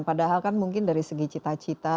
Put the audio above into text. padahal kan mungkin dari segi cita cita